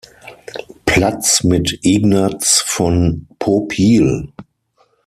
Platz mit Ignaz von Popiel.